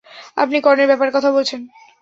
আপনি কর্ণের ব্যাপারে কথা বলছেন।